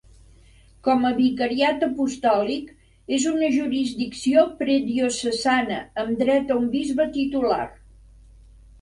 Com a vicariat apostòlic, és una jurisdicció prediocesana, amb dret a un bisbe titular.